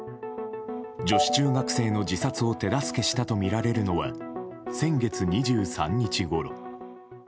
女子中学生の自殺を手助けしたとみられるのは先月２３日ごろ。